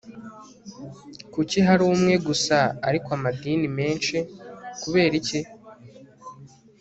kuki hariho umwe gusa ariko amadini menshi? (kubera iki?